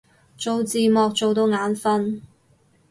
做字幕做到眼憤